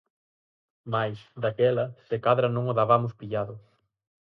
Mais, daquela, se cadra non o dabamos pillado.